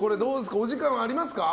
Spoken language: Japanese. お時間ありますか？